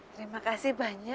terima kasih bapaknya